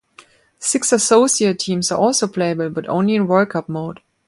Six Associate teams are also playable but only in World Cup mode.